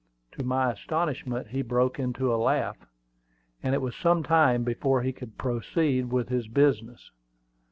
To my astonishment, he broke into a laugh; and it was some time before he could proceed with his business.